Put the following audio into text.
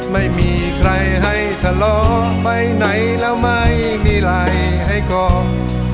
ไม่มีใครให้ทะเลาะไปไหนแล้วไม่มีไหล่ให้กอง